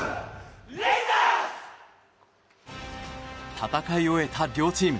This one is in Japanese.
戦い終えた両チーム。